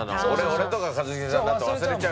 俺とか一茂さんだと忘れちゃうじゃん。